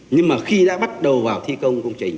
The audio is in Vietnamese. nhưng mà khi đã bắt đầu vào thi công công trình